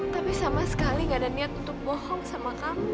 tapi sama sekali gak ada niat untuk bohong sama kami